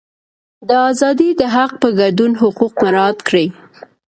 د ازادۍ د حق په ګډون حقوق مراعات کړي.